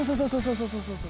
そうそうそうそう。